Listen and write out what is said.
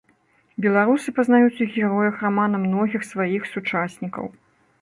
Беларусы пазнаюць у героях рамана многіх сваіх сучаснікаў.